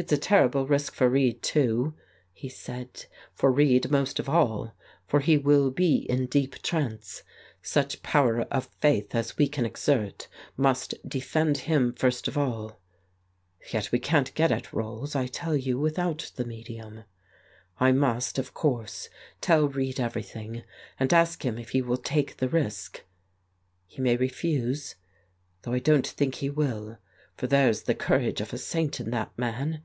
"It's a terrible risk for Reid, too," he said, "for Reid most of all, for he will be in deep trance; such power of faith as we can exert must defend him first of all. ... Yet, we can't get at Rolls, I tell you, without the medium. ... I must, of course, tell Reid everything, and ask him if he will take the risk. ... He may refuse, though I don't think he will, for there's the courage of a saint in that man.